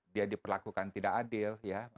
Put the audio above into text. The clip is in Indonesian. dia diperlakukan tidak adil